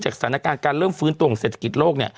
สถานการณ์การเริ่มฟื้นตัวของเศรษฐกิจโลก